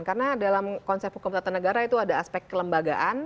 karena dalam konsep hukum tata negara itu ada aspek kelembagaan